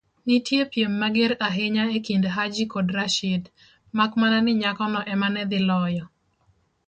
Nenitie piem mager ahinya ekind Haji kod Rashid, makmana ni nyakono ema nedhi loyo.